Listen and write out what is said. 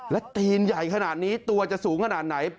แล้วตีนใหญ่ขนาดนี้ตัวจะสูงขนาดไหน